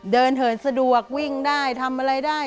เถินสะดวกวิ่งได้ทำอะไรได้